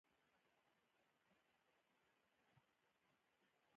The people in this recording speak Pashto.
د نجونو تعلیم د هیواد لپاره یوه لویه پانګونه ده.